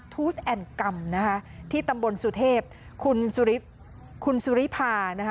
ทูสแอนด์กรรมนะคะที่ตำบลสุเทพคุณสุริคุณสุริพานะคะ